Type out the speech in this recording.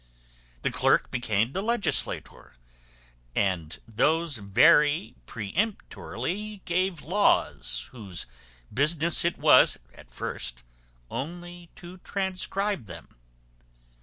The clerk became the legislator, and those very peremptorily gave laws whose business it was, at first, only to transcribe them.